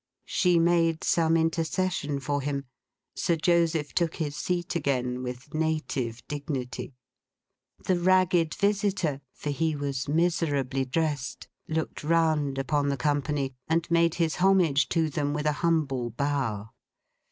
She made some intercession for him. Sir Joseph took his seat again, with native dignity. The ragged visitor—for he was miserably dressed—looked round upon the company, and made his homage to them with a humble bow.